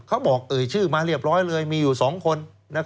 เอ่ยชื่อมาเรียบร้อยเลยมีอยู่๒คน